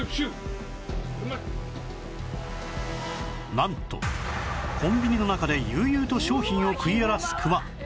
なんとコンビニの中で悠々と商品を食い荒らすクマ